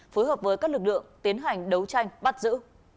phối hợp với các lực lượng tiến hành đấu tranh bắt giữ